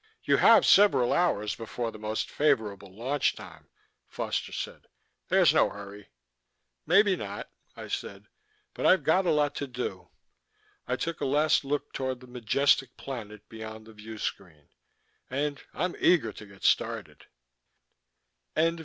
"You have several hours before the most favorable launch time," Foster said. "There's no hurry." "Maybe not," I said. "But I've got a lot to do " I took a last look toward the majestic planet beyond the viewscreen, " and I'm eager to get started."